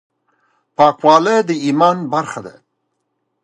پاکواله د ایمان برخه ده.